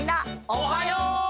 おはよう！